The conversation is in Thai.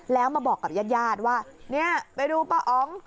แล้วมาบอกกับญาติว่านี่ไปดูป้าห้อง